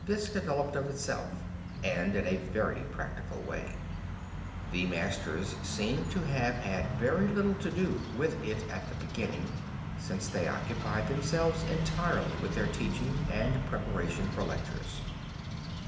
This developed of itself and in a very practical way. The masters seem to have had very little to do with it at the beginning since they occupied themselves entirely with their teaching and preparation for lectures.